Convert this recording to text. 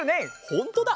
ほんとだ！